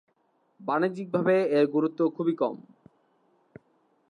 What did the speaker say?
বাণিজ্যিকভাবে এর গুরুত্ব খুবই কম।